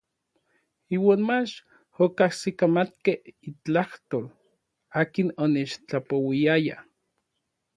Iuan mach okajsikamatkej itlajtol akin onechtlapouiaya.